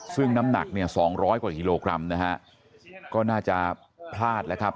ซึ่งน้ำหนัก๒๐๐กว่าฮก็น่าจะพลาดแล้วครับ